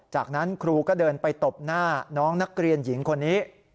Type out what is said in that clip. จากนั้นครูก็เดินไปตบหน้าน้องนักเรียนหญิงคนนี้